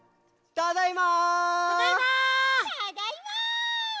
ただいま！